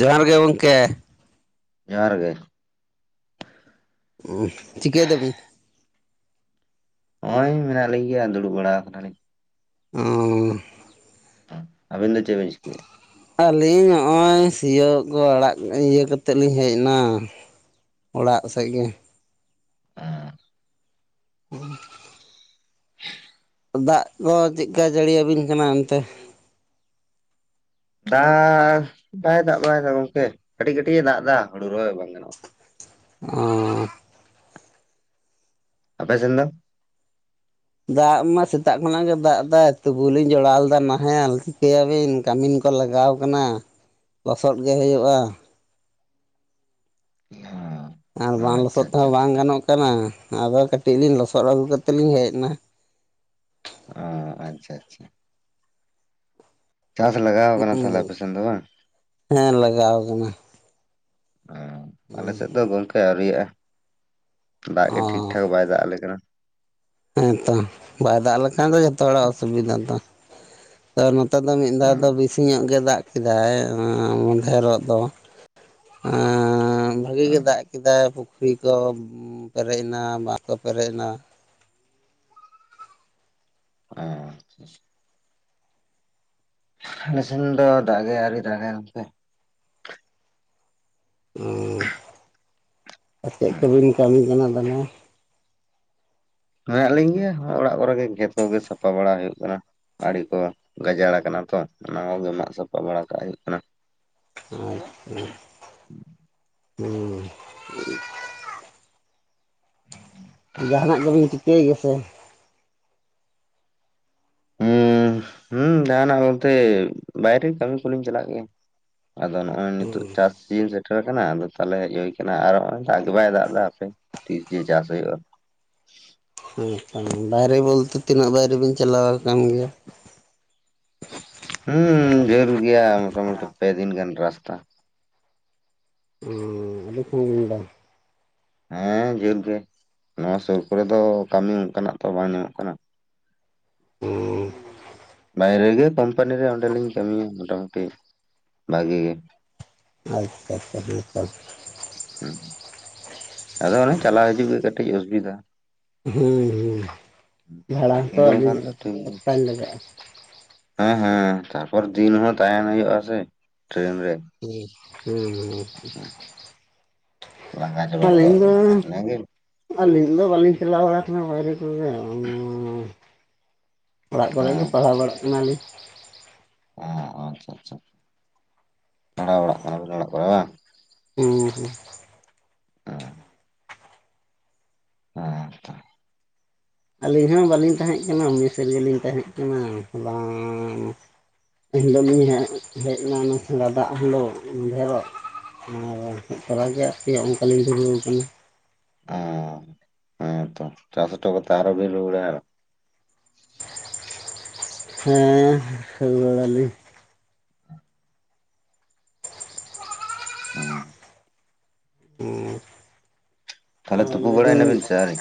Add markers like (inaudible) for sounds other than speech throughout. ᱡᱚᱦᱟᱨ ᱜᱮ ᱜᱚᱝᱠᱮ ᱡᱚᱦᱟᱨ ᱜᱮ ᱪᱤᱠᱟᱹᱭ ᱫᱟᱵᱤᱱ ᱱᱚᱜ-ᱚᱭ ᱢᱮᱱᱟᱜ ᱞᱤᱧ ᱜᱮᱭᱟ ᱫᱩᱲᱩᱵ ᱵᱟᱲᱟ ᱟᱠᱟᱱᱟᱞᱤᱧ ᱚᱻ ᱟᱵᱤᱱ ᱫᱚ ᱪᱮ ᱵᱤᱱ ᱪᱤᱠᱟ. ᱭᱮᱜ-ᱟ? ᱟᱹᱞᱤᱧ ᱱᱚᱜ-ᱚᱭ ᱥᱤᱭᱳᱜ ᱠᱚ ᱟᱲᱟᱜ ᱤᱭᱟᱹ ᱠᱟᱛᱮᱫ ᱞᱤᱧ ᱦᱮᱡ ᱮᱱᱟ ᱾ ᱚᱲᱟᱜ ᱥᱮᱫ ᱜᱮ (unintelligible) ᱫᱟᱜ ᱠᱚ ᱪᱮᱫᱠᱟ ᱡᱟᱹᱲᱤᱭᱟᱵᱤᱱ ᱠᱟᱱᱟ ᱚᱱᱛᱮ? ᱫᱟᱜ ᱵᱟᱭ ᱫᱟᱜ ᱵᱟᱲᱟᱭᱮᱫᱟ ᱜᱚᱝᱠᱮ ᱠᱟᱹᱴᱤᱡ ᱠᱟᱹᱴᱤᱡ ᱮ ᱫᱟᱜ ᱮᱫᱟ ᱦᱩᱲᱩ ᱨᱚᱦᱚᱭ ᱵᱟᱝ ᱜᱟᱱᱚᱜᱼᱟ ᱚ (unintelligible) ᱟᱯᱮ ᱥᱮᱫ ᱫᱚ ᱫᱟᱜ ᱢᱟ ᱥᱮᱛᱟᱜ ᱠᱷᱚᱱᱟᱜ ᱜᱮ ᱫᱟᱜ ᱫᱟᱭ ᱛᱚᱵᱩ ᱞᱤᱧ ᱡᱚᱲᱟᱣ ᱞᱮᱫᱟ ᱱᱟᱦᱮᱞ ᱪᱷᱤᱠᱟᱹᱭᱟᱵᱤᱱ ᱠᱟᱹᱢᱤᱱ ᱠᱚ ᱞᱟᱜᱟᱣ ᱠᱟᱱᱟ ᱞᱚᱥᱚᱫ ᱜᱮ ᱦᱩᱭᱩᱜᱼᱟ ᱦ (unintelligible) ᱟᱨ ᱵᱟᱝ ᱞᱚᱥᱚᱫ ᱛᱮᱦᱚᱸ ᱵᱟᱝ ᱜᱟᱱᱚᱜ ᱠᱟᱱᱟ ᱟᱫᱚ ᱠᱟᱹᱴᱤᱡ ᱞᱤᱧ ᱞᱚᱥᱚᱫ ᱟᱹᱜᱩ ᱠᱟᱛᱮ ᱞᱤᱧ ᱦᱮᱡ ᱮᱱᱟ ᱚ ᱟᱪᱪᱷᱟ ᱟᱪᱪᱷᱟ ᱪᱟᱥ ᱞᱟᱜᱟᱣ ᱠᱟᱱᱟ ᱛᱟᱦᱞᱮ ᱟᱯᱮ ᱥᱮᱫ ᱫᱚ ᱵᱟᱝ ᱦᱮᱸ ᱞᱟᱜᱟᱣ ᱠᱟᱱᱟ ᱚ ᱟᱞᱮ ᱥᱮᱫ ᱫᱚ ᱜᱚᱝᱠᱮ ᱟᱹᱣᱨᱤᱭᱟᱜᱼᱟ ᱫᱟᱜ ᱜᱮ ᱴᱷᱤᱠ ᱴᱷᱟᱠ ᱵᱟᱭ ᱫᱟᱜ ᱟᱞᱮ ᱠᱟᱱᱟ ᱦᱮᱸ ᱛᱚ ᱵᱟᱭ ᱫᱟᱜ ᱞᱮᱠᱷᱟᱱ ᱫᱚ ᱡᱦᱚᱛᱚ ᱦᱚᱲᱟᱜ ᱚᱥᱩᱵᱤᱫᱟ ᱛᱚ ᱱᱮᱛᱳᱜ ᱫᱚ ᱢᱤᱫ ᱚ ᱫᱷᱟᱣ ᱫᱚ ᱵᱤᱥᱤ ᱧᱚᱜ ᱜᱮ ᱫᱟᱜ ᱠᱮᱫᱟᱭ ᱢᱟᱫᱷᱮᱨᱚᱜ ᱫᱚ (unintelligible) ᱵᱷᱟᱜᱤ ᱚ ᱜᱮ ᱫᱟᱜ ᱠᱮᱫᱟᱭ ᱯᱩᱠᱷᱨᱤ ᱠᱚ ᱯᱮᱨᱮᱡ ᱮᱱᱟ ᱵᱟᱸᱫᱷ ᱠᱚ ᱯᱮᱨᱮᱡ ᱮᱱᱟ ᱦᱮᱸ ᱟᱪᱪᱷᱟ (unintelligible) ᱟᱞᱮᱥᱮᱫ ᱫᱚ ᱫᱟᱜ ᱜᱮ ᱟᱣᱨᱤ ᱫᱟᱜ -ᱜᱟᱭ ᱜᱚᱝᱠᱮ ᱚ ᱪᱮᱫ ᱠᱚᱵᱤᱱ ᱠᱟᱹᱢᱤ ᱠᱟᱱᱟ ᱛᱟᱦᱞᱮ ᱢᱮᱱᱟᱜ ᱞᱤᱧ ᱜᱮᱭᱟ ᱚᱲᱟᱜ ᱠᱚᱨᱮ ᱜᱮ ᱠᱷᱮᱛ ᱠᱚᱜᱮ ᱥᱟᱯᱟ ᱵᱟᱲᱟ ᱦᱩᱭᱩᱜ ᱠᱟᱱᱟ ᱟᱲᱮ ᱠᱚ ᱜᱟᱡᱟᱲ ᱠᱟᱱᱟ ᱛᱚ ᱚᱱᱟ ᱠᱚ ᱜᱮ ᱢᱟᱜ ᱥᱟᱯᱟ ᱵᱟᱲᱟ ᱠᱟᱜ ᱦᱩᱭᱩᱜ ᱠᱟᱱᱟ ᱟᱪ (inaudible) ᱦᱮᱸ (inaudible) ᱦᱮᱸ (inaudible) ᱡᱟᱦᱟᱸᱱᱟᱜ ᱜᱮᱵᱤᱱ ᱪᱤᱠᱟᱹᱭ ᱜᱮᱭᱟ ᱥᱮ ᱩᱸ ᱦᱩᱸ ᱡᱟᱦᱟᱸᱱᱟᱜ ᱵᱚᱞᱛᱮ ᱵᱟᱭᱨᱮ ᱠᱟᱹᱢᱤ ᱠᱚᱞᱤᱧ ᱪᱟᱞᱟᱜ ᱜᱮᱭᱟ ᱟᱫᱚ ᱱᱚᱜᱼᱚᱭ ᱱᱤᱛᱳᱜ ᱪᱟᱥ (unintelligible) ᱥᱮᱴᱮᱨ ᱠᱟᱱᱟ ᱟᱫᱚ ᱛᱟᱦᱞᱮ ᱦᱮᱡ ᱦᱳᱭ ᱠᱟᱱᱟ ᱟᱨ ᱱᱚ-ᱚᱭ ᱫᱟᱜ ᱜᱮ ᱵᱟᱭ ᱫᱟᱜ ᱫᱟ ᱦᱟᱯᱮ ᱛᱤᱥ ᱡᱮ ᱪᱟᱥ ᱦᱩᱭᱩᱜ-ᱟ ᱦᱮᱸ ᱛᱚ ᱵᱟᱭᱨᱮ ᱵᱚᱞᱛᱮ ᱛᱤᱱᱟᱹᱜ ᱵᱟᱭᱨᱮ ᱵᱤᱱ ᱪᱟᱞᱟᱣ ᱟᱠᱟᱱ ᱜᱮᱭᱟ ᱦᱩᱸ ᱡᱷᱟᱹᱞ ᱜᱮᱭᱟ ᱢᱚᱴᱟ ᱢᱩᱴᱤ ᱯᱮ ᱫᱤᱱ ᱜᱟᱱ ᱨᱟᱥᱛᱟ ᱦᱮᱸ ᱟᱰᱤ ᱥᱟᱹᱜᱤᱧ ᱫᱚ ᱦᱮᱸ ᱡᱷᱟ. ᱞ ᱜᱮ ᱱᱚᱣᱟ ᱥᱩᱨ ᱠᱚᱨᱮ ᱫᱚ ᱠᱟᱹᱢᱤ ᱚᱱᱠᱟᱱᱟᱜ ᱛᱚ ᱵᱟᱝ ᱧᱟᱢᱚᱜ ᱠᱟᱱᱟ ᱦᱩᱸ ᱵᱟᱭᱨᱮ ᱜᱮ ᱠᱳᱢᱯᱟᱱᱤ ᱨᱮ ᱚᱸᱰᱮᱞᱤᱧ ᱠᱟᱹᱢᱤᱭᱟ ᱢᱚᱴᱟ ᱢᱩᱴᱤ ᱵᱷᱟᱜᱮ ᱜᱮ ᱟᱪᱪᱷᱟ ᱪᱷᱟ ᱱᱟᱯᱟᱭ ᱦᱩᱸ ᱟᱫᱚ ᱚᱱᱮ ᱪᱟᱞᱟᱣ ᱦᱤᱡᱩᱜ ᱜᱮ ᱠᱟᱹᱴᱤᱡ ᱚᱥᱩᱵᱤᱫᱷᱟ ᱦᱮᱸ ᱦᱮᱸ ᱵᱷᱟᱲᱟ ᱵᱟᱠᱤ ᱦᱚᱸᱛᱚ ᱫᱚ ᱟᱹᱰᱤ ᱵᱟᱠᱷᱟᱱ ᱫᱚ ᱴᱷᱤᱠ ᱜᱮᱭᱟ ᱥᱯᱛᱟᱧ (unintelligible) ᱞᱟᱜᱟᱜᱼᱟ ᱦᱮᱸ ᱦᱮᱸ ᱛᱟᱨᱯᱚᱨ ᱫᱤᱱ ᱦᱚᱸ ᱛᱟᱦᱮᱱ ᱦᱩᱭᱩᱜ-ᱟ ᱥᱮ ᱴᱨᱮᱱ ᱨᱮ ᱦᱮᱸ ᱦᱩᱸ ᱞᱟᱜᱟ ᱪᱟᱵᱟ ᱜᱚᱫᱚᱜ ᱟᱵᱤᱱ ᱟᱹᱞᱤᱧ ᱫᱚ ᱵᱟᱹᱞᱤᱧ ᱪᱟᱞᱟᱣ ᱵᱟᱲᱟ ᱟᱠᱟᱱᱟ, ᱵᱟᱭᱨᱮ ᱠᱚᱫᱚ ᱾ ᱚᱲᱟᱜ ᱠᱚᱨᱮ ᱦᱮᱸ ᱜᱮ ᱯᱟᱲᱦᱟᱣ ᱵᱟᱲᱟᱜ ᱠᱟᱱᱟᱞᱤᱧ ᱟᱪᱪᱷᱟ ᱟᱪᱪᱷᱟ ᱯᱟᱲᱦᱟᱜ ᱵᱟᱲᱟ ᱠᱟᱱᱟ ᱵᱤᱱ᱾ ᱦᱮᱸ ᱦᱩᱸ ᱚ ᱟᱪᱪᱷᱟ ᱟᱹᱞᱤᱧ ᱦᱚᱸ ᱵᱟᱹᱞᱤᱧ ᱛᱟᱦᱮᱸ ᱠᱟᱱᱟ ᱢᱮᱥ ᱨᱮ ᱜᱮᱞᱤᱧ ᱛᱟᱦᱮᱸ ᱠᱟᱱᱟ ᱵᱟᱝ (unintelligible) ᱟᱨ ᱦᱮᱡ ᱛᱟᱨᱟ ᱜᱮ ᱟᱨᱠᱤ ᱚᱱᱠᱟ ᱞᱤᱧ ᱫᱩᱨᱟᱹᱣ ᱟᱠᱟᱱᱟ᱾ ᱟ ᱦᱚᱸᱛᱚ, ᱪᱟᱥ ᱦᱚᱴ ᱠᱟᱛᱮ ᱟᱨᱚ ᱵᱤᱱ ᱨᱩᱣᱟᱹᱲᱼᱟ? ᱦᱮᱸ ᱨᱩᱣᱟᱹᱲ ᱟᱞᱤᱧ᱾ ᱛᱟᱦᱚᱞᱮ ᱦᱮᱸ ᱟᱨ ᱛᱩᱯᱩ ᱵᱟᱲᱟᱭ ᱞᱮᱫᱤᱧ ᱱᱟᱵᱤᱱ ᱥᱮ ᱟᱹᱣᱨᱤ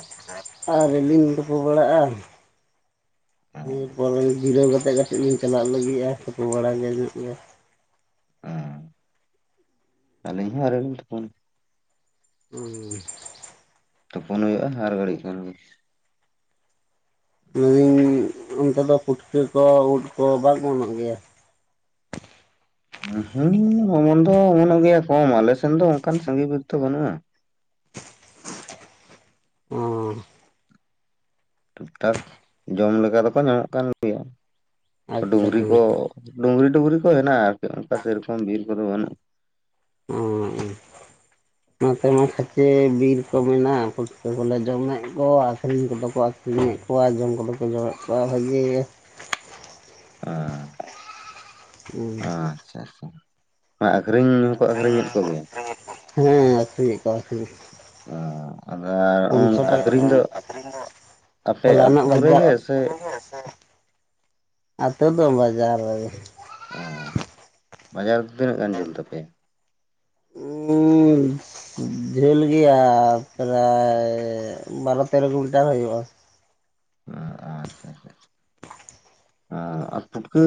ᱟᱣᱨᱤ ᱞᱤᱧ ᱛᱩᱯᱩ ᱵᱟᱲᱟᱜᱼᱟ ᱯᱚᱨᱮᱧ ᱡᱤᱨᱟᱹᱣ ᱠᱟᱛᱮᱫ ᱠᱟᱹᱴᱤᱡ ᱞᱤᱧ ᱪᱟᱞᱟᱜ ᱞᱟᱹᱜᱤᱫᱼᱟ ᱛᱩᱯᱩ ᱵᱟᱲᱟ ᱜᱮ ᱾ ᱟ ᱟᱞᱤᱧ ᱦᱚᱸ ᱟᱹᱣᱨᱤ ᱞᱤᱧ ᱛᱩᱯᱩᱱᱟ ᱾ ᱦᱩᱸ ᱛᱩᱯᱩᱱ ᱦᱩᱭᱩᱜᱼᱟ ᱟᱨ ᱜᱷᱟᱹᱲᱤᱡ ᱠᱷᱟᱱ ᱜᱮ ᱢᱮᱱ ᱫᱟᱹᱧ ᱚᱱᱛᱮ ᱫᱚ ᱯᱩᱴᱠᱟᱹ ᱠᱚ ᱩᱫ ᱠᱚ ᱵᱟᱝ ᱚᱢᱚᱱᱚᱜ ᱜᱮᱭᱟ? ᱦᱮ ᱚᱢᱚᱱ ᱫᱚ ᱚᱢᱚᱱᱚᱜ ᱜᱮᱭᱟ ᱠᱚᱢ ᱟᱞᱮ ᱥᱮᱱ ᱫᱚ ᱚᱱᱠᱟᱱ ᱥᱟᱸᱜᱮ ᱵᱤᱨ ᱫᱚ ᱵᱟᱹᱱᱩᱜᱼᱟ᱾ ᱚ ᱴᱷᱤᱠ ᱴᱷᱟᱠ ᱡᱚᱢ ᱞᱮᱠᱟ ᱫᱚᱠᱚ ᱧᱟᱢᱚᱜ ᱠᱟᱱ ᱜᱮᱭᱟ ᱟᱪᱪᱷᱟ ᱰᱩᱝᱨᱤ ᱠᱚ᱾ ᱦᱮᱸ ᱰᱩᱝᱨᱤ ᱰᱩᱝᱨᱤ ᱠᱚ ᱦᱮᱱᱟᱜᱼᱟ ᱟᱨᱠᱤ ᱚᱱᱠᱟ ᱥᱮᱨᱚᱠᱚᱢ ᱵᱤᱨ ᱠᱚᱫᱚ ᱵᱟᱹᱱᱩᱜᱼᱟ᱾ ᱚ ᱱᱚᱛᱮ ᱢᱟ ᱠᱷᱟᱪᱮ ᱵᱤᱨ ᱠᱚ ᱢᱮᱱᱟᱜ ᱯᱩᱴᱠᱟᱹ ᱠᱚᱞᱮ ᱡᱚᱢᱮᱫ ᱠᱚ ᱟᱹᱠᱷᱨᱤᱧ ᱠᱚᱫᱚ ᱠᱚ ᱟᱠᱷᱨᱤ ᱤᱧ ᱮᱫ ᱠᱚᱣᱟ ᱡᱚᱢ ᱠᱚᱫᱚ ᱠᱚ ᱡᱚᱢᱮᱫ ᱠᱚᱣᱟ ᱵᱷᱟᱜᱤ ᱜᱮ ᱟ ᱦᱩᱸ ᱟᱪᱪᱷᱟ ᱟᱪᱪᱷᱟ ᱟ ᱟᱠᱷᱨᱤᱧ ᱦᱚᱸᱠᱚ ᱟᱠᱷᱨᱤᱧᱮᱫ ᱠᱚ ᱜᱮᱭᱟ ᱦᱮᱸ ᱟᱹᱠᱷᱨᱤᱧᱮᱫ ᱠᱚᱣᱟ ᱟᱹᱠᱷᱨᱤᱧ ᱚ ᱟᱫᱚ ᱯᱩᱱᱥᱚ ᱟᱠᱷᱨᱤᱧ ᱴᱟᱠᱟ ᱫᱚ ᱟᱯᱮ ᱟᱛᱳ ᱠᱚᱨᱮ ᱜᱮ ᱥᱮ ᱟᱹᱛᱩ ᱫᱚ ᱵᱟᱝ ᱵᱟᱡᱟᱨ ᱨᱮ ᱜᱮ ᱚ ᱵᱟᱡᱟᱨ ᱫᱚ ᱛᱤᱱᱟᱹᱜ ᱜᱟᱱ ᱡᱷᱟᱹᱞ ᱛᱟᱯᱮᱭᱟ? ᱩ ᱡᱷᱟᱹᱞ ᱜᱮᱭᱟ ᱯᱨᱟᱭ ᱵᱟᱨᱚ ᱛᱮᱨᱚ ᱠᱤᱞᱚ ᱢᱤᱴᱟᱨ ᱦᱩᱭᱩᱜᱼᱟ᱾ ᱟᱪᱪᱷᱟ ᱟᱪᱷᱟ ᱟᱨ ᱯᱩᱴᱠᱟᱹ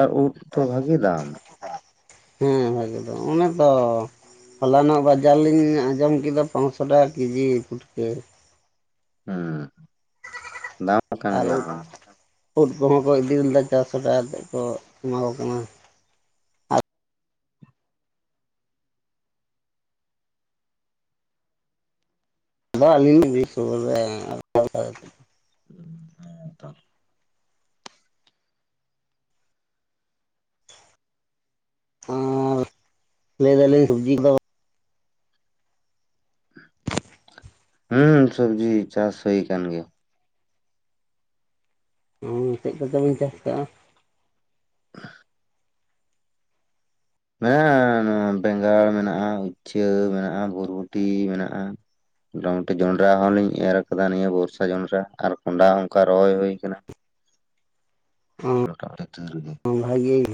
ᱟᱨ ᱩᱫ ᱫᱚ ᱵᱷᱟᱹᱜᱤ ᱫᱟᱢ ᱦᱮᱸ ᱵᱷᱟᱹᱜᱤ ᱫᱟᱢ ᱮ ᱚᱱᱮ ᱛᱚ ᱦᱚᱞᱟᱱᱚᱜ ᱵᱟᱡᱟᱨ ᱞᱤᱧ ᱟᱸᱡᱚᱢ ᱠᱮᱫᱟ ᱯᱟᱸᱥᱥᱚ ᱴᱟᱠᱟ ᱠᱮᱡᱤ ᱯᱷᱩᱴᱠᱟᱹ ᱦᱮᱸ ᱫᱟᱢ ᱟᱠᱟᱱ ᱟᱨ ᱜᱮᱭᱟ ᱩᱫ ᱠᱚ ᱩᱫ ᱠᱚ ᱦᱚᱸ ᱠᱚ ᱤᱫᱤ ᱞᱮᱫᱟ ᱪᱟᱨᱥᱚ ᱴᱟᱠᱟ ᱠᱟᱛᱮᱫ ᱠᱚ ᱮᱢᱟ ᱠᱚ ᱠᱟᱱᱟ᱾ ᱟᱹᱞᱤᱧ ᱱᱚᱵᱮ ᱥᱩᱨ ᱨᱮ ᱦᱮᱸ ᱛᱚ ᱟᱨ ᱞᱟᱹᱭ ᱫᱟᱞᱤᱧ ᱥᱚᱵᱽᱡᱤ ᱠᱚ ᱦᱩᱸ ᱥᱚᱵᱽᱡᱤ ᱪᱟᱥ ᱦᱩᱭ ᱠᱟᱱ ᱜᱮᱭᱟ᱾ ᱟ ᱪᱮᱫ ᱠᱚᱪᱚ ᱵᱤᱱ ᱪᱟᱥ ᱟᱠᱟᱫᱼᱟ? ᱢᱮᱱᱟᱜᱼᱟ, ᱱᱚᱣᱟ ᱵᱮᱸᱜᱟᱲ ᱢᱮᱱᱟᱜᱼᱟ, ᱩᱪᱪᱟᱹ ᱢᱮᱱᱟᱜᱼᱟ, ᱵᱚᱨᱵᱚᱴᱤ ᱢᱮᱱᱟᱜᱼᱟ᱾ ᱢᱚᱴᱟᱢᱩᱴᱤ ᱡᱚᱸᱰᱨᱟ ᱦᱚᱸᱞᱤᱧ ᱮᱨ ᱟᱠᱟᱫᱟ ᱱᱤᱭᱟᱹ ᱵᱚᱨᱥᱟ ᱡᱚᱸᱰᱨᱟ ᱟᱨ ᱠᱚᱸᱰᱦᱟ ᱦᱚᱸ ᱚᱱᱠᱟ ᱨᱚᱦᱚᱭ ᱦᱩᱭ ᱟᱠᱟᱱᱟ᱾ ᱠᱟᱠ ᱨᱮ ᱜᱮ ᱵᱷᱟᱜᱤᱭ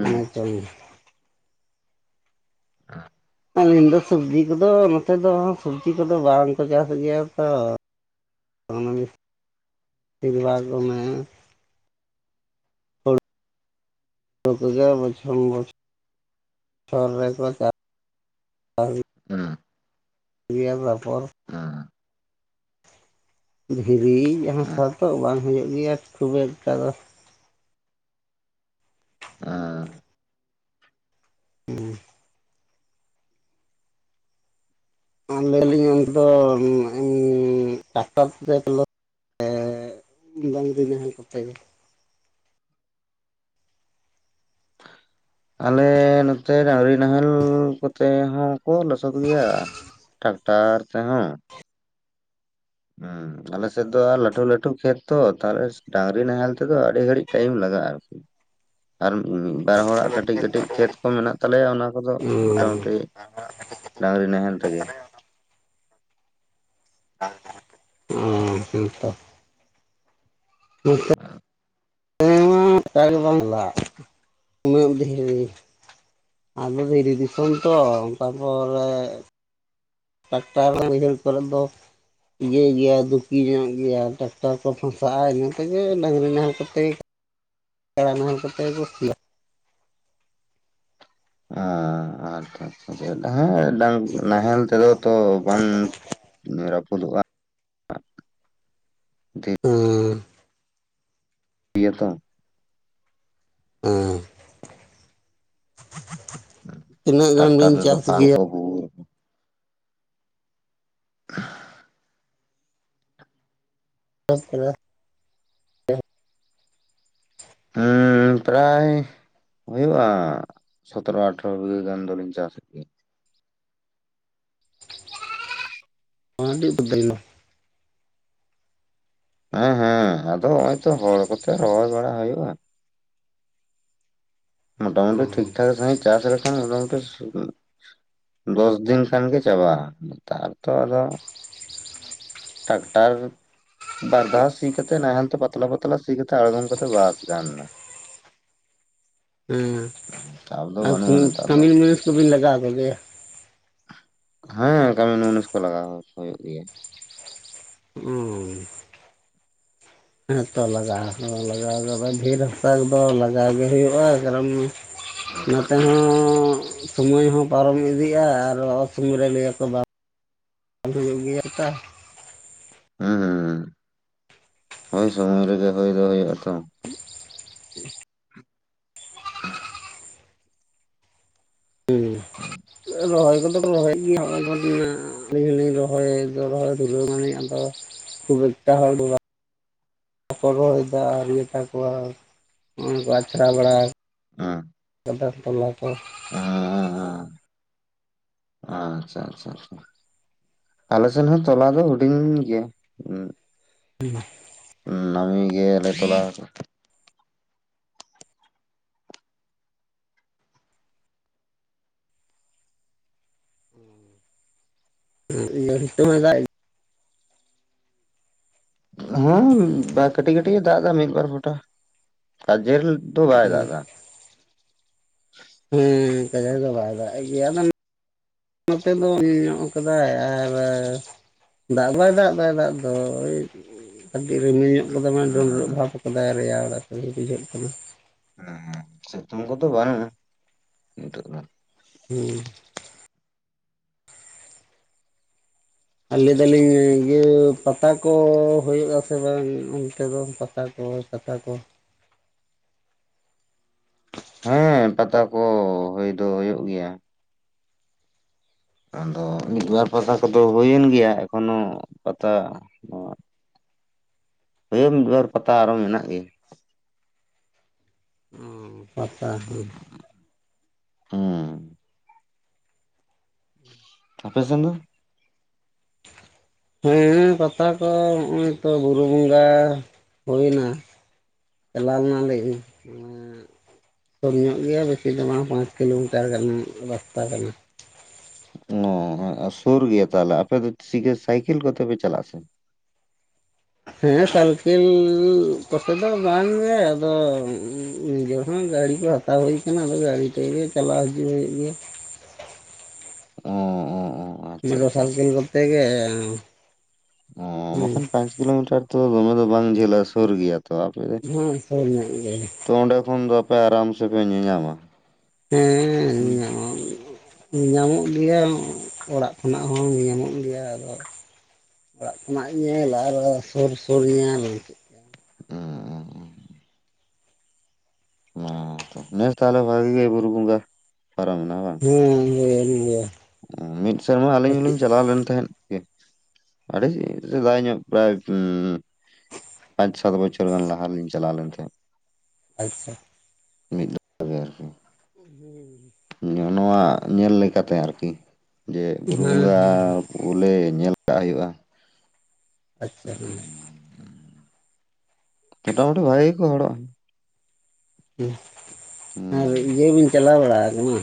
ᱱᱟ ᱱᱤᱛᱚᱝ ᱟ ᱟᱹᱞᱤᱧ ᱫᱚ ᱥᱚᱵᱽᱡᱤ ᱠᱚᱫᱚ ᱱᱚᱛᱮ ᱫᱚ ᱥᱚᱵᱽᱡᱤ ᱠᱚᱫᱚ ᱵᱟᱝᱠᱚ ᱪᱟᱥ ᱜᱮᱭᱟ ᱛᱚ ᱚᱱᱟ ᱵᱤᱥᱤᱨ ᱵᱷᱟᱜᱽ ᱫᱚ ᱢᱮ ᱟᱨ ᱵᱚᱪᱷᱚᱨ ᱵᱚᱪᱷᱚᱨ ᱨᱮᱠᱚ ᱪᱟᱥ ᱦᱩᱸ ᱮᱭᱟᱹ ᱛᱟᱨᱯᱚᱨ ᱚ ᱫᱷᱤᱨᱤ ᱦᱟᱥᱟ ᱛᱚ ᱵᱟᱝ ᱦᱩᱭᱩᱜ ᱜᱮᱭᱟ ᱠᱷᱩᱵ ᱮᱠᱴᱟ ᱫᱚ ᱟ ᱦᱩᱸ ᱞᱟᱹᱭ ᱫᱟ ᱞᱤᱧ ᱚᱱᱛᱮ ᱫᱚ ᱴᱟᱠᱴᱚᱨ ᱛᱮ ᱰᱟᱝᱨᱤ ᱱᱟᱦᱮᱞ ᱠᱚᱛᱮ ᱜᱮ ᱟᱞᱮ ᱱᱚᱛᱮ ᱰᱟᱝᱨᱤ ᱱᱟᱦᱮᱞ ᱠᱚᱛᱮ ᱦᱚᱸ ᱠᱚ ᱞᱚᱥᱚᱫ ᱜᱮᱭᱟ ᱴᱟᱠᱴᱟᱨ ᱛᱮᱦᱚᱸ ᱦᱩᱸ ᱟᱞᱮ ᱥᱮᱫ ᱫᱚ ᱟᱨ ᱞᱟᱹᱴᱩ ᱞᱟᱹᱴᱩ ᱠᱷᱮᱛ ᱛᱚ ᱛᱟᱦᱞᱮ ᱰᱟᱝᱨᱤ ᱱᱟᱦᱮᱞ ᱛᱮᱫᱚ ᱟᱹᱰᱤ ᱜᱷᱟᱹᱲᱤᱡ ᱴᱟᱭᱤᱢ ᱞᱟᱜᱟᱜᱼᱟ᱾ ᱟᱨᱠᱤ (inaudible) ᱟᱨ ᱢᱤᱫ ᱵᱟᱨ ᱦᱚᱲᱟᱜ ᱠᱟᱹᱴᱤᱡᱽ ᱠᱟᱹᱴᱤᱡᱽ ᱠᱷᱮᱛ ᱠᱚ ᱢᱮᱱᱟᱜ ᱛᱟᱞᱮᱭᱟ ᱚᱱᱟ ᱠᱚᱫᱚ ᱜᱮ ᱢᱳᱴᱟᱢᱩᱴᱤ ᱰᱟᱝᱨᱤ ᱱᱟᱦᱮᱞ ᱛᱮᱜᱮ ᱾ ᱚᱸᱢ ᱦᱮᱸ ᱛᱚ ᱱᱚᱛᱮ (unintelligible) ᱩᱱᱟᱹᱜ ᱫᱷᱤᱨᱤ ᱟᱫᱚ ᱫᱷᱤᱨᱤ ᱫᱤᱥᱚᱢ ᱛᱚ ᱚᱱᱠᱟ ᱯᱚᱨᱮ ᱴᱟᱠᱴᱟᱨ ᱦᱚᱸ ᱵᱟᱹᱭᱦᱟᱹᱲ ᱠᱚᱨᱮᱫ ᱫᱚ ᱤᱭᱟᱹᱭ ᱜᱮᱭᱟ ᱫᱩᱠᱤ ᱧᱚᱜ ᱜᱮᱭᱟ ᱴᱟᱠᱴᱟᱨ ᱠᱚ ᱯᱷᱟᱥᱟᱜᱼᱟ ᱤᱱᱟᱹ ᱛᱮᱜᱮ ᱰᱟᱝᱨᱤ ᱱᱟᱦᱮᱞ ᱠᱟᱛᱮ ᱥᱮᱲᱟ ᱱᱟᱦᱮᱞ ᱠᱚᱛᱮ ᱠᱚ ᱥᱤᱭᱟ ᱟᱸ ᱟᱪᱪᱷᱟ ᱱᱚᱛᱮ ᱱᱟᱦᱮᱞ ᱰᱟᱸᱝᱨᱤ ᱱᱟᱦᱮᱞ ᱛᱮᱫᱚ ᱛᱚ ᱵᱟᱝ ᱨᱟᱹᱯᱩᱫᱚᱜᱼᱟ᱾ ᱫᱷᱤᱨᱤ ᱦᱚᱸ ᱤᱭᱟᱹ ᱛᱚ ᱚᱸ ᱛᱤᱱᱟᱹᱜ ᱜᱟᱱ ᱴᱟᱠᱴᱟᱨ ᱵᱤᱱ ᱨᱮᱫᱚ ᱪᱟᱥ ᱯᱷᱟᱞ ᱜᱮᱭᱟ ᱠᱚ ᱜᱩᱜᱩ (inaudible) (unintelligible) ᱦᱩᱸ ᱯᱨᱟᱭ ᱦᱩᱭᱩᱜᱼᱟ ᱥᱚᱛᱚᱨᱚ ᱟᱴᱷᱨᱚ ᱵᱤᱜᱷᱟᱹ ᱜᱟᱱ ᱫᱚᱞᱤᱧ ᱪᱟᱥᱮᱫ ᱜᱮᱭᱟ ᱾ (unintelligible) ᱦᱮᱸ ᱦᱮᱸ ᱟᱫᱚ ᱱᱚᱜᱼᱚᱭ ᱛᱚ ᱦᱚᱲ ᱠᱚᱛᱮ ᱨᱚᱦᱚᱭ ᱵᱟᱲᱟ ᱦᱩᱭᱩᱜᱼᱟ᱾ ᱢᱚᱴᱟᱢᱩᱴᱤ ᱴᱷᱤᱠ ᱴᱷᱟᱠ ᱥᱟᱺᱦᱤᱡᱽ ᱪᱟᱥ ᱨᱮ ᱢᱚᱴᱟᱢᱩᱴᱤ ᱫᱚᱥ ᱫᱤᱱ ᱠᱷᱟᱱ ᱜᱮ ᱪᱟᱵᱟᱜᱼᱟ ᱱᱮᱛᱟᱨ ᱛᱚ ᱟᱫᱚ ᱴᱟᱠᱴᱟᱨ ᱵᱟᱨ ᱫᱷᱟᱣ ᱥᱤ ᱠᱟᱛᱮ ᱱᱟᱦᱮᱞ ᱛᱮ ᱯᱟᱛᱞᱟ ᱯᱟᱛᱞᱟ ᱥᱤ ᱠᱟᱛᱮ ᱟᱲᱜᱚᱢ ᱠᱟᱛᱮ ᱵᱟᱥ ᱜᱟᱱ ᱱᱟ (unintelligible) ᱪᱟᱯ ᱫᱚ ᱟᱨ ᱵᱟᱹᱱᱩᱜᱼᱟ ᱱᱮᱛᱟᱨ ᱫᱚ ᱠᱟᱢᱤᱱ ᱢᱩᱱᱤᱥ ᱠᱚᱵᱤᱱ ᱞᱟᱜᱟᱣ ᱠᱚ ᱜᱮᱭᱟ ᱦᱮᱸ ᱠᱟᱢᱤᱱ ᱢᱩᱱᱤᱥ ᱠᱚ ᱞᱟᱜᱟᱣ ᱦᱩᱭᱩᱜ ᱜᱮᱭᱟ ᱾ ᱦᱩᱸ ᱦᱮᱸᱛᱚ ᱞᱟᱜᱟᱣ ᱞᱟᱜᱟᱣ ᱰᱷᱤᱨ ᱦᱟᱥᱟ ᱨᱮᱫᱚ ᱞᱟᱜᱟᱣ ᱜᱮ ᱦᱩᱭᱩᱜᱼᱟ ᱠᱟᱨᱚᱱ ᱱᱚᱛᱮ ᱦᱚᱸ ᱥᱚᱢᱚᱭ ᱦᱚᱸ ᱯᱟᱨᱚᱢ ᱤᱫᱤᱜᱼᱟ ᱟᱨ ᱚᱥᱚᱢᱚᱭ ᱨᱮ ᱞᱟᱹᱭᱟᱠᱚ ᱵᱟᱝ ᱦᱩᱭᱩᱜ ᱜᱮᱭᱟ ᱛᱟ ᱦᱩᱸᱻ ᱦᱳᱭ ᱥᱚᱢᱚᱭ ᱨᱮᱜᱮ ᱦᱳᱭ ᱫᱚ ᱦᱩᱭᱩᱜᱼᱟ ᱛᱚ (inaudible) ᱦᱩᱸ ᱨᱚᱦᱚᱭ ᱠᱚᱫᱚ ᱠᱩ ᱨᱚᱦᱚᱭᱮᱫ ᱜᱮᱭᱟ ᱟᱹᱞᱤᱧ ᱦᱚᱸᱞᱤᱧ ᱨᱚᱦᱚᱭ ᱨᱚᱦᱚᱭ ᱫᱷᱩᱨᱟᱹᱣ ᱱᱟᱹᱞᱤᱧ ᱟᱫᱚ ᱠᱷᱩᱵ ᱮᱠᱴᱟ (unintelligible) ᱵᱟᱠᱚ ᱨᱚᱦᱚᱭᱫᱟ ᱟᱨ ᱜᱮ ᱛᱟᱠᱚᱣᱟ ᱩᱱ ᱠᱚ ᱟᱪᱷᱲᱟ ᱵᱟᱲᱟ ᱟᱸ ᱫᱟᱜ ᱛᱚᱞᱟ ᱠᱚ ᱟᱸᱻ ᱟᱪᱪᱷᱟ ᱟᱪᱪᱷᱟ ᱟᱪᱪᱷᱟ ᱟᱞᱮ ᱥᱮᱱ ᱦᱚᱸ ᱛᱚᱞᱟ ᱫᱚ ᱦᱩᱰᱤᱧ ᱜᱮᱭᱟ ᱦᱩᱭᱱᱟ ᱱᱟ. ᱢᱤ ᱜᱮ ᱞᱮ ᱛᱚᱞᱟ ᱠᱟᱜᱼᱟ᱾ (unintelligible) ᱦᱚᱸᱭ ᱫᱟᱜ ᱮᱫ ᱦᱮᱸ ᱠᱟᱹᱴᱤᱡ ᱠᱟᱹᱴᱤᱡ ᱮ ᱫᱟᱜ ᱮᱫᱟ ᱢᱤᱫ ᱵᱟᱨ ᱯᱷᱚᱴᱟ ᱟᱨ ᱡᱮᱞ ᱛᱚ ᱵᱟᱭ ᱫᱟᱜ ᱫᱟ᱾ ᱦᱮᱸ ᱠᱟᱡᱟᱜᱽ ᱫᱚ ᱵᱟᱭ ᱫᱟᱜ ᱮᱫ ᱜᱮᱭᱟ ᱟᱫᱚᱱ ᱱᱚᱛᱮ ᱫᱚ ᱧᱚᱜ ᱠᱟᱫᱟᱭ ᱟᱨ ᱫᱟᱜ ᱵᱟᱭ ᱫᱟᱜ ᱮᱫᱟ ᱫᱟᱜ ᱫᱚ ᱚᱭ ᱠᱟᱹᱴᱤᱡ ᱨᱤᱢᱤᱞ ᱧᱚᱜ ᱠᱟᱫᱟᱭ ᱢᱟᱱᱮ ᱰᱩᱰᱨᱟᱹᱜ ᱦᱮᱸ ᱵᱷᱟᱵ ᱟᱠᱟᱫᱟᱭ ᱨᱮᱭᱟᱲᱮ ᱵᱩᱡᱷᱟᱹᱜ ᱠᱟᱱᱟ᱾ ᱦᱮᱸ ᱦᱮᱸ ᱥᱤᱛᱩᱝ ᱠᱚᱫᱚ ᱵᱟᱝᱼᱟ ᱱᱤᱛᱳᱜ ᱫᱚ᱾ ᱦᱮᱸ ᱟᱹ ᱞᱟᱹᱭ ᱫᱟᱹᱞᱤᱧ ᱤᱭᱟᱹ ᱯᱟᱛᱟ ᱠᱚ ᱦᱩᱭᱩᱜᱼᱟ ᱥᱮ ᱵᱟᱝ ᱚᱱᱛᱮ ᱫᱚ ᱯᱟᱛᱟ ᱠᱚ? ᱯᱟᱛᱟ ᱠᱚ ᱦᱮᱸ ᱯᱟᱛᱟ ᱠᱚ ᱦᱩᱭ ᱫᱚ ᱦᱩᱭᱩᱜ ᱜᱮᱭᱟ᱾ ᱟᱫᱚ ᱢᱤᱫ ᱵᱟᱨ ᱯᱟᱛᱟ ᱠᱚᱫᱚ ᱦᱩᱭᱮᱱ ᱜᱮᱭᱟ, ᱮᱠᱷᱚᱱᱳ ᱯᱟᱛᱟ ᱦᱳᱭ ᱢᱤᱫ ᱵᱟᱨ ᱯᱟᱛᱟ ᱟᱨᱦᱚᱸ ᱢᱮᱱᱟᱜ ᱜᱮᱭᱟ᱾ ᱯᱟᱛᱟ ᱦᱩᱸ ᱩᱸ ᱟᱯᱮ ᱥᱮᱱ ᱫᱚ? ᱦᱮᱸ ᱯᱟᱛᱟ ᱠᱚ ᱱᱚᱜᱼᱚᱭ ᱛᱚ ᱵᱩᱨᱩ ᱵᱚᱸᱜᱟ ᱦᱩᱭ ᱱᱟ᱾ ᱪᱟᱞᱟᱣ ᱞᱮᱱᱟᱞᱤᱧ, ᱦᱮᱸ ᱠᱚᱢ ᱧᱚᱜ ᱜᱮᱭᱟ ᱵᱮᱥᱤ ᱫᱚ ᱵᱟᱝ ᱯᱟᱸᱪ ᱠᱤᱞᱳᱢᱤᱴᱟᱨ ᱜᱟᱱ ᱨᱟᱥᱛᱟ ᱠᱟᱱᱟ᱾ ᱚ ᱚᱸ ᱚᱸ ᱥᱩᱨ ᱜᱮᱭᱟ ᱛᱟᱦᱚᱞᱮ ᱟᱯᱮ ᱫᱚ ᱪᱤᱠᱟᱹ ᱥᱟᱭᱠᱮᱞ ᱠᱚᱛᱮ ᱯᱮ ᱪᱟᱞᱟᱜᱼᱟ ᱥᱮ? ᱦᱮᱸ ᱥᱟᱞᱠᱮᱞ ᱠᱚᱛᱮ ᱫᱚ ᱵᱟᱝ ᱜᱮ ᱟᱫᱚ ᱱᱤᱡᱮ ᱦᱚᱸ ᱜᱟᱹᱲᱤ ᱜᱷᱚᱲᱟ᱾ ᱦᱟᱛᱟᱣ ᱦᱩᱭ ᱠᱟᱱᱟ ᱟᱫᱚ ᱜᱟᱹᱲᱤ ᱛᱮᱜᱮ ᱪᱟᱞᱟᱣ ᱦᱤᱡᱩᱜ ᱦᱩᱭᱩᱜ ᱜᱮᱭᱟ᱾ ᱚ ᱚ ᱚ ᱟᱪᱪᱷᱟ ᱢᱚᱴᱚᱨ ᱟᱪᱪᱷᱟ ᱟᱪᱪᱷᱟ ᱥᱟᱞᱠᱮᱞ ᱠᱚᱛᱮ ᱜᱮ᱾ ᱚᱸᱻ ᱵᱟᱠᱷᱟᱱ ᱯᱟᱸᱪ ᱠᱤᱞᱳᱢᱤᱴᱟᱨ ᱛᱚ ᱫᱚᱢᱮ ᱫᱚ ᱵᱟᱝ ᱡᱷᱟᱹᱞᱟ ᱥᱩᱨ ᱜᱮᱭᱟ᱾ ᱛᱚ ᱦᱮᱸ ᱥᱩᱨ ᱧᱚᱜ ᱜᱮ ᱟᱯᱮ ᱚᱸᱰᱮ ᱠᱷᱚᱱ ᱫᱚ ᱟᱯᱮ ᱟᱨᱟᱢ ᱥᱮ ᱯᱮ ᱧᱮᱧᱟᱢᱟ᱾ ᱦᱮᱸᱻ ᱦᱩᱸ ᱧᱟᱢᱟᱢᱟ᱾ ᱩᱸ ᱧᱟᱢᱚᱜ ᱜᱮᱭᱟ ᱚᱲᱟᱜ ᱠᱷᱚᱱᱟᱜ ᱦᱚᱸ ᱧᱟᱢᱚᱜ ᱜᱮᱭᱟ, ᱟᱫᱚ ᱚᱲᱟᱜ ᱠᱷᱚᱱᱟᱜ ᱧᱮᱞᱟ ᱟᱨ ᱥᱩᱨ ᱥᱩᱨ ᱧᱮᱞ ᱚᱸᱻ ᱚᱸ ᱛᱷᱚ ᱵᱮᱥ ᱛᱟᱦᱞᱮ ᱵᱷᱟᱹᱜᱤ ᱜᱮ ᱵᱩᱨᱩ ᱵᱚᱸᱜᱟ ᱯᱟᱨᱚᱢ ᱮᱱᱟ ᱵᱟᱝ? ᱦᱮᱸ ᱦᱮᱸ (unintelligible) ᱢᱤᱫ ᱥᱮᱨᱢᱟ ᱟᱹᱞᱤᱧ ᱦᱚᱞᱤᱧ ᱪᱟᱞᱟᱣ ᱞᱮᱱ ᱛᱟᱦᱮᱸᱫ᱾ ᱜᱮ ᱟᱹᱰᱤ ᱥᱮᱫᱟᱭ ᱧᱚᱜ ᱯᱨᱟᱭ ᱩᱸᱻ ᱯᱟᱸᱪ ᱪᱷᱚ ᱵᱚᱪᱷᱚᱨ ᱜᱟᱱ ᱞᱟᱦᱟ ᱨᱮᱞᱤᱧ ᱪᱟᱞᱟᱣ ᱞᱮᱱ ᱛᱟᱦᱮᱸᱫ᱾ ᱟᱪᱷᱟ ᱢᱤᱫ ᱫᱚ ᱛᱚᱵᱮ ᱟᱨᱠᱤ᱾ ᱦᱩᱸ ᱱᱚᱼᱱᱚᱣᱟ ᱧᱮᱞ ᱞᱮᱠᱟᱛᱮ ᱟᱨᱠᱤ ᱡᱮ ᱵᱩᱨᱩ ᱦᱮᱸ ᱵᱚᱸᱜᱟ ᱦᱮᱸ ᱵᱚᱞᱮ ᱧᱮᱞ ᱠᱟᱜ ᱦᱩᱭᱩᱜᱼᱟ᱾ ᱟᱪᱪᱷᱟ ᱦᱮᱸ ᱢᱚᱴᱟᱢᱩᱴᱤ ᱵᱷᱟᱜᱤ ᱜᱮᱠᱚ ᱦᱚᱲᱚᱜ-ᱟ᱾ ᱦᱮ‌ᱸ ᱟᱨ ᱦᱩᱸ ᱤᱭᱟᱹ ᱵᱮᱱ ᱪᱟᱞᱟᱣ ᱵᱟᱲᱟ ᱟᱠᱟᱱᱟ?